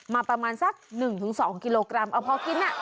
ประมาณสัก๑๒กิโลกรัมเอาพอกินน่ะ